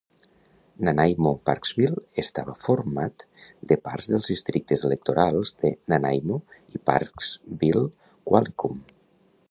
Nanaimo-Parksville estava format de parts dels districtes electorals de Nanaimo i Parksville-Qualicum.